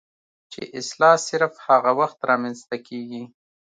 چې اصلاح صرف هغه وخت رامنځته کيږي